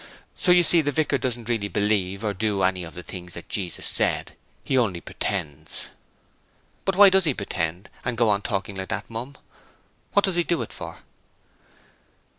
So you see the vicar doesn't really believe or do any of the things that Jesus said: he only pretends.' 'But why does he pretend, and go about talking like that, Mum? What does he do it for?'